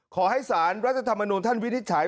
ขอให้สารรัฐธรรมนุนท่านวินิจฉัย